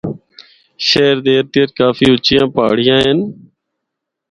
شہر دے ارد گرد کافی اُچیاں پہاڑیاں ہن۔